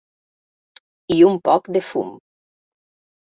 I un poc de fum.